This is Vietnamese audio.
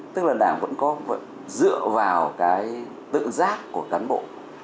tức là đảng vẫn có dựa vào cái tự giác của cán bộ